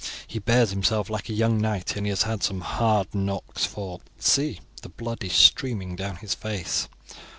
"He bears himself like a young knight, and he has had some hard knocks, for, see, the blood is streaming down his face.